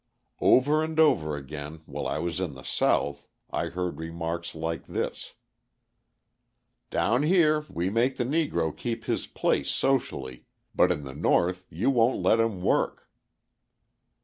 Over and over again, while I was in the South, I heard remarks like this: "Down here we make the Negro keep his place socially, but in the North you won't let him work."